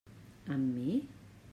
Amb mi?